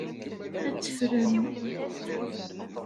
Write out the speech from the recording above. Ad tt-ffren.